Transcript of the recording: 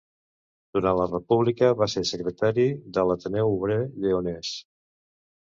Durant la República va ser secretari de l'Ateneu Obrer Lleonès.